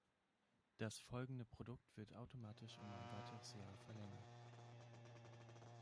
Das folgende Produkt wird automatisch um ein weiteres Jahr verlängert.